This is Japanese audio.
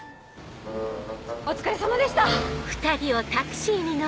お疲れさまでした。